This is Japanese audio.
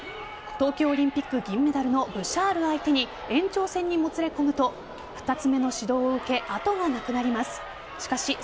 東京オリンピック銀メダルのブシャール相手に延長戦にもつれ込むと２つ目の指導を受け後がなくなります。